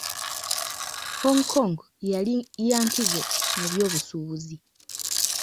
Hong Kong yali ya nkizo mu byobusuubuzi.